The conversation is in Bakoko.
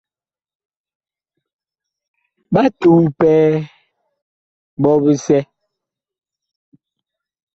Ɓa tuu pɛɛ ɓɔ bisɛ.